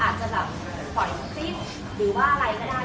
อาจจะขอดีด้วยหรือว่าอะไรก็ได้